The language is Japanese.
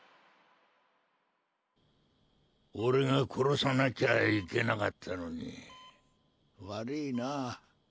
俺が殺さなきゃいけなかったのに悪いな。